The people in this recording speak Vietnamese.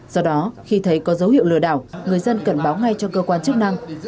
do đó khi thấy có dấu hiệu lừa đảo người dân cần báo ngay cho cơ quan chức năng